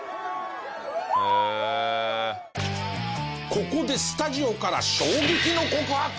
ここでスタジオから衝撃の告白！